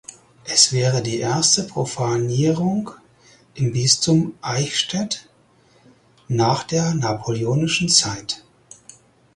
Es wäre die erste Profanierung im Bistum Eichstätt nach der napoleonischen Zeit.